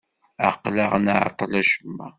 Aql-aɣ nɛeṭṭel acemma.